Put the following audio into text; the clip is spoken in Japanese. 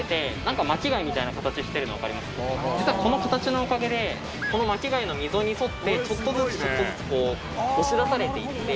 実はこの形のおかげでこの巻き貝の溝に沿ってちょっとずつちょっとずつ押し出されて行って。